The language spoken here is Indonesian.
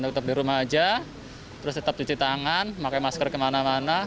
tetap di rumah aja terus tetap cuci tangan pakai masker kemana mana